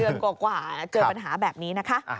เดือนกว่าเจอปัญหาแบบนี้นะคะ